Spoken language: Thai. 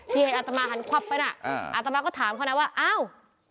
ที่เห็นอาตมาหันควับไปนะอาตมาก็ถามคนนั้นว่าอ้าว